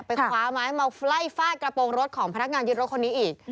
คว้าไม้มาไล่ฟาดกระโปรงรถของพนักงานยึดรถคนนี้อีก